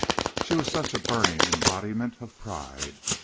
She was such a burning embodiment of pride.